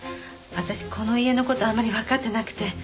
私この家の事あまりわかってなくて。